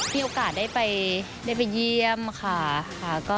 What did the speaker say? มีโอกาสได้ไปเยี่ยมค่ะ